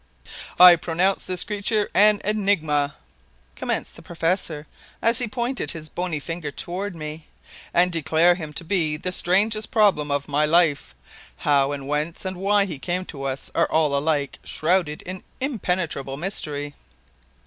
"I pronounce this creature an enigma," commenced the professor as he pointed his bony finger toward me, "and declare him to be the strangest problem of my life. How, and whence, and why he came to us are all alike shrouded in impenetrable mystery."